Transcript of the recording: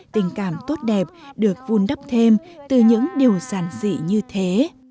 tình cảm tốt đẹp được vun đắp thêm từ những điều giản dị như thế